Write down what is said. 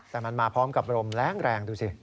แต่มันมาพร้อมกับลมแรงดูสิ